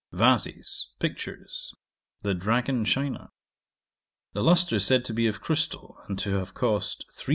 Vases. Pictures. The Dragon china. The lustre said to be of crystal, and to have cost 3,500£.